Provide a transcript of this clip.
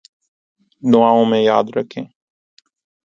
دعاؤں میں یاد رکھیں